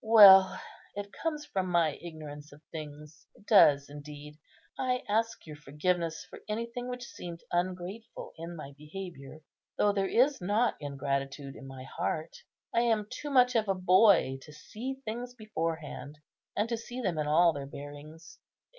Well, it comes from my ignorance of things; it does indeed. I ask your forgiveness for anything which seemed ungrateful in my behaviour, though there is not ingratitude in my heart. I am too much of a boy to see things beforehand, and to see them in all their bearings.